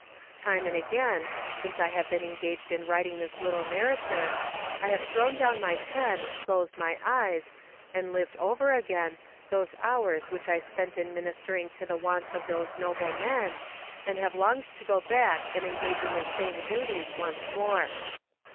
Time and again, since I have been engaged in writing this little narrative, I have thrown down my pen, closed my eyes, and lived over again those hours which I spent in ministering to the wants of those noble men, and have longed to go back and engage in the same duties once more.